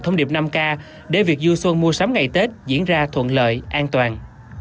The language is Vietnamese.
thông điệp năm k để việc du xuân mua sắm ngày tết diễn ra thuận lợi an toàn